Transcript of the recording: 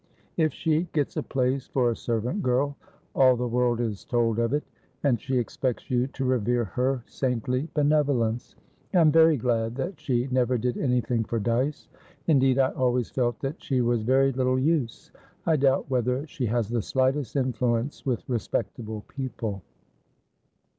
If she gets a place for a servant girl, all the world is told of it, and she expects you to revere her saintly benevolence. I am very glad that she never did anything for Dyce. Indeed, I always felt that she was very little use. I doubt whether she has the slightest influence with respectable people."